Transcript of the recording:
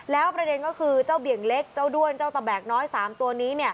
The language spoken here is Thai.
แล้วประเด็นก็คือเจ้าเบี่ยงเล็กเจ้าด้วนเจ้าตะแบกน้อย๓ตัวนี้